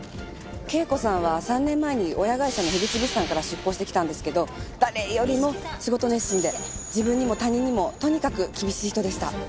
圭子さんは３年前に親会社の口物産から出向してきたんですけど誰よりも仕事熱心で自分にも他人にもとにかく厳しい人でした。